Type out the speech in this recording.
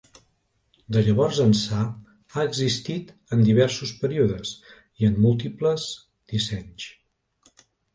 De llavors ençà ha existit en diversos períodes i en múltiples dissenys.